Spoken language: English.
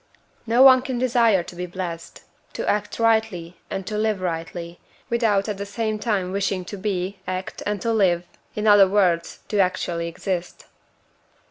XXI. No one can desire to be blessed, to act rightly, and to live rightly, without at the same time wishing to be, act, and to live in other words, to actually exist.